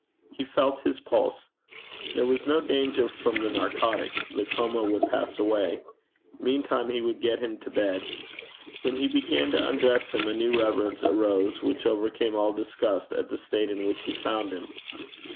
He felt his pulse. There was no danger from the narcotic. The coma would pass away. Meantime he would get him to bed. When he began to undress him a new reverence arose which overcame all disgust at the state in which he found him.